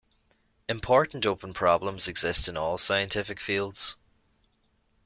Important open problems exist in all scientific fields.